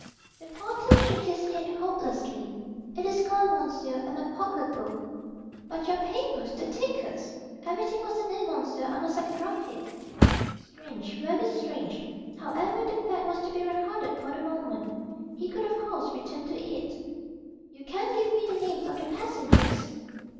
The porter shook his head hopelessly. "It is gone, monsieur, and my pocket book." "But your papers, the tickets " "Everything was in it, monsieur. I must have dropped it." Strange, very strange. However the fact was to be recorded, for the moment. He could of course return to it. "You can give me the names of the passengers?"